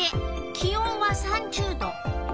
気温は３０℃。